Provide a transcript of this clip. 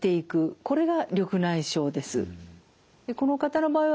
これが緑内障です。